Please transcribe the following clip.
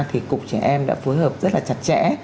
thì cục trẻ em đã phối hợp rất là chặt chẽ